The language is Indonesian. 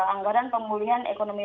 anggaran pemulihan ekonomi